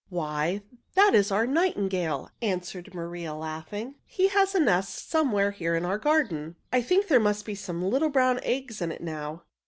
"Why, that is our nightingale," answered Maria, laughing. "He has a nest somewhere here in our garden. I think there must be some little brown eggs in it now.